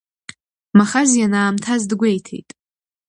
Махаз ианаамҭаз дгәеиҭеит.